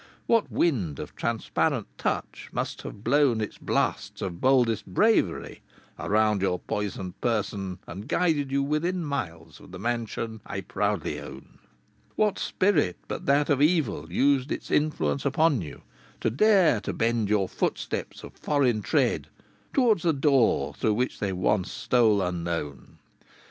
What wind of transparent touch must have blown its blasts of boldest bravery around your poisoned person and guided you within miles of the mansion I proudly own? "What spirit but that of evil used its influence upon you to dare to bend your footsteps of foreign tread towards the door through which they once stole unknown?